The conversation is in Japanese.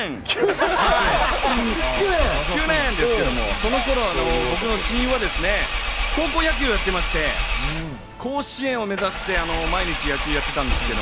その頃、僕の親友は高校野球をやってまして、甲子園を目指して毎日野球をやってたんですけど。